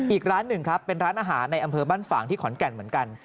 อีกร้านหนึ่งครับเป็นร้านอาหารในอำเภอบ้านฝ่างที่ขอนแก่นเหมือนกัน